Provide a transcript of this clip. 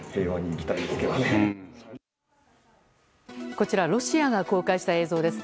こちらロシアが公開した映像です。